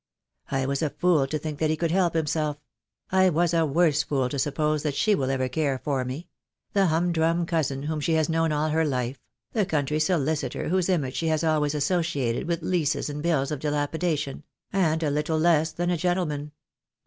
"I was a fool to think that he could help himself; I was a worse fool to suppose that she will ever care for me — the humdrum cousin whom she has known all her life — the country solicitor whose image she has always associated with leases and bills of dilapidation — a little more than a bailiff, and a little less than a gentleman."